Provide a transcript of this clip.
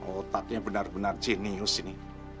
otaknya benar benar jenius ini